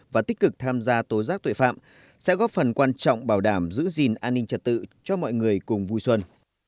và tích cực tham gia tố giác tội phạm sẽ góp phần quan trọng bảo đảm giữ gìn an ninh trật tự cho mọi người cùng vui xuân